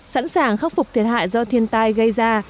sẵn sàng khắc phục thiệt hại do thiên tai gây ra